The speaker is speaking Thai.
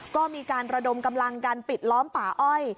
ก็มีการระดมกำลังการปิดล้อมป่าอ้อย